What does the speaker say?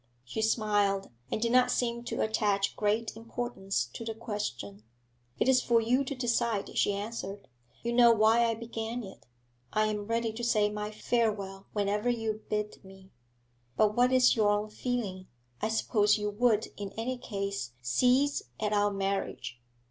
She smiled, and did not seem to attach great importance to the question. 'It is for you to decide,' she answered. 'You know why I began it; I am ready to say my farewell whenever you bid me.' 'But what is your own feeling? I suppose you would in any case cease at our marriage?'